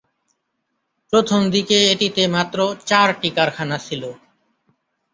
প্রথম দিকে এটিতে মাত্র চারটি কারখানা ছিল।